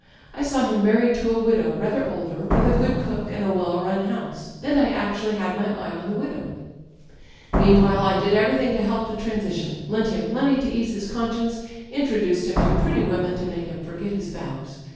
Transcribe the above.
I saw him married to a widow, rather older, with a good cook and a well run house. And I actually had my eye on the widow ... Meanwhile I did everything to help the transitionâ€" lent him money to ease his con science, introduced him to pretty women to make him foiget his vows.